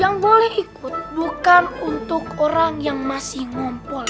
yang boleh ikut bukan untuk orang yang masih ngumpul